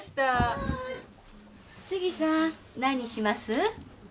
はい杉さん何にします？